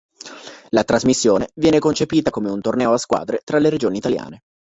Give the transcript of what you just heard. La trasmissione viene concepita come un torneo a squadre tra le regioni italiane.